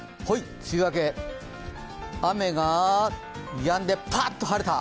梅雨明け、雨がやんでパーッと晴れた！